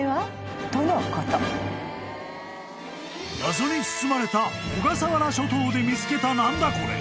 ［謎に包まれた小笠原諸島で見つけた何だコレ！？］